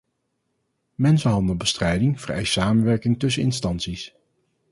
Mensenhandelbestrijding vereist samenwerking tussen instanties.